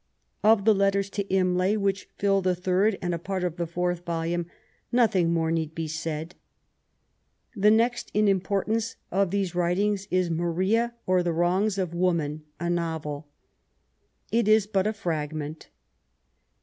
Of the Letters to Imlay, which fill the third and a part of the fourth volume, nothing more need be said. The next in importance of these writings is Maria, or^ The Wrongs of Woman, a novel. It is but a fragment.